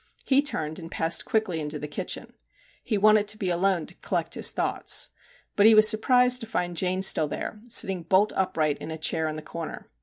He turned and passed quickly into the kitchen. He wanted to be alone to collect his thoughts. But he was surprised to find Jane still there, sitting bolt upright in a chair in the corner.